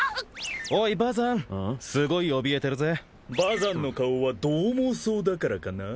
おいバザンすごいおびえてるぜバザンの顔はどう猛そうだからかな